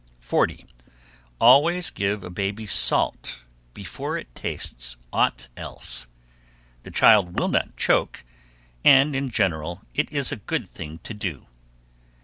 40. Always give a baby salt before it tastes aught else. The child will not choke, and in general it is a good thing to do.